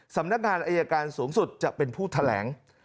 สำนักงานอายการสูงสุดจะเป็นผู้แถลง